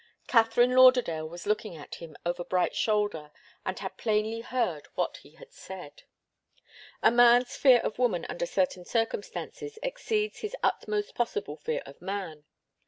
Katharine Lauderdale was looking at him over Bright's shoulder and had plainly heard what he had said. A man's fear of woman under certain circumstances exceeds his utmost possible fear of man.